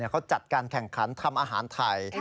เขาจัดการแข่งขันทำอาหารไทย